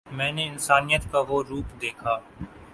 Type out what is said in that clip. میں نے انسانیت کا وہ روپ دیکھا